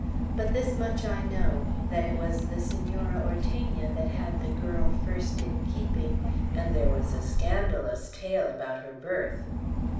But this much I know, that it was the Senora Ortegna that had the girl first in keeping; and there was a scandalous tale about her birth."